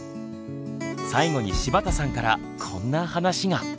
最後に柴田さんからこんな話が。